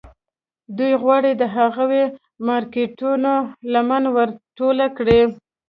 دوی غواړي د هغو مارکيټونو لمن ور ټوله کړي.